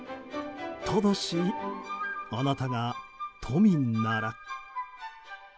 ただし、あなたが都民なら。